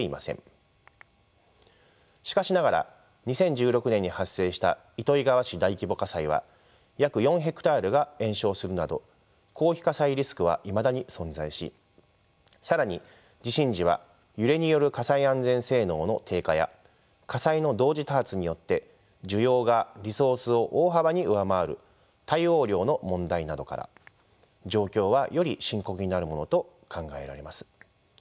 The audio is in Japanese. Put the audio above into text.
しかしながら２０１６年に発生した糸魚川市大規模火災は約４ヘクタールが延焼するなど広域火災リスクはいまだに存在し更に地震時は揺れによる火災安全性能の低下や火災の同時多発によって需要がリソースを大幅に上回る対応量の問題などから状況はより深刻になるものと考えられます。